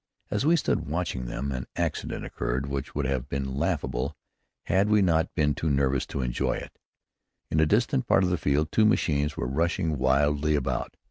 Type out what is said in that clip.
As we stood watching them, an accident occurred which would have been laughable had we not been too nervous to enjoy it. In a distant part of the field two machines were rushing wildly about.